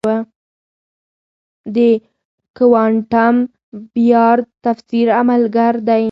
د کوانټم بیارد تفسیر عملگر دی.